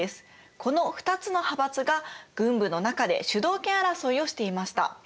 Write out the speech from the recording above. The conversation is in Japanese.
この２つの派閥が軍部の中で主導権争いをしていました。